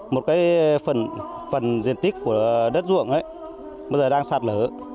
một cái phần diện tích của đất ruộng ấy bây giờ đang sạt lở